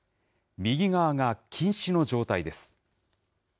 右側が近視の状態です。